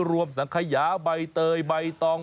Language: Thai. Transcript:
สังขยาใบเตยใบตอง